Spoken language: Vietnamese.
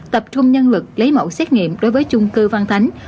tập trung nhân lực lấy mẫu xét nghiệm đối với chung cư văn thánh